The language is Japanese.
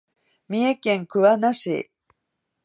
三重県桑名市